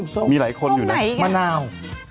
เขามีหลายคนอยู่นะงานาว